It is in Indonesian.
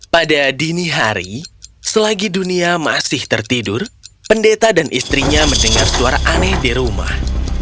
pada dini hari selagi dunia masih tertidur pendeta dan istrinya mendengar suara aneh di rumah